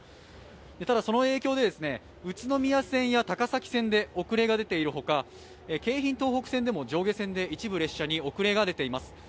ただその影響で宇都宮線と高崎線で遅れが出ている他、京浜東北線でも上限に一部遅れが出ています。